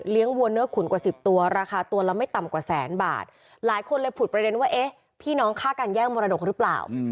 วัวเนื้อขุนกว่าสิบตัวราคาตัวละไม่ต่ำกว่าแสนบาทหลายคนเลยผุดประเด็นว่าเอ๊ะพี่น้องฆ่าการแย่งมรดกหรือเปล่า